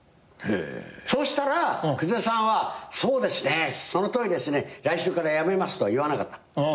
そうしたら久世さんは「そうですねそのとおりですね」「来週からやめます」とは言わなかった。